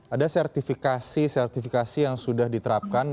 ada sertifikasi sertifikasi yang sudah diterapkan